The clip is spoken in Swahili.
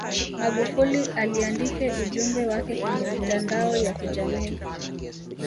magufuli aliandike ujumbe wake kwenye mitandao ya kijamii